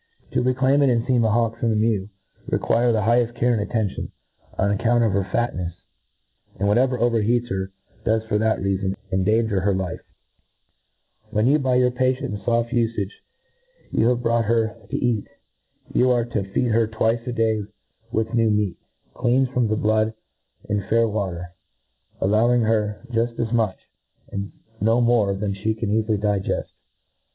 To reclaim and enfeam a hawk from the mew ' require the higheft care and attention, on account of her fatncfs j and whatever overheats her does, fox that reafon, endanger her life. When, Ij$ A T R E A T I S E O F When, by your patient and foft ufage, you have brought her to eat, you are to feed her twice a day with new meat, cleanfed from the blood in fair water, allowing her juft as iwich, and no more, than (he cai^ eafily digeft.